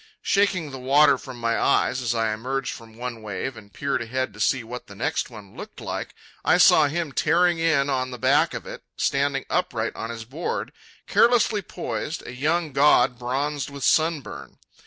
Shaking the water from my eyes as I emerged from one wave and peered ahead to see what the next one looked like, I saw him tearing in on the back of it, standing upright on his board, carelessly poised, a young god bronzed with sunburn.